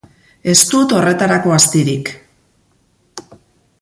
Ez dut horretarako astirik.